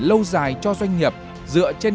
lâu dài cho doanh nghiệp dựa trên